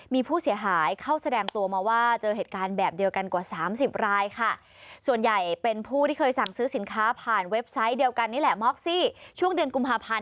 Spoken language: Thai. มีผู้เสียหายเข้าแสดงตัวมาว่าเจอเหตุการณ์แบบเดียวกันกว่า๓๐รายค่ะ